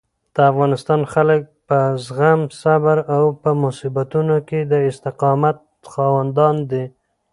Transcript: د افغانستان خلک په زغم، صبر او په مصیبتونو کې د استقامت خاوندان دي.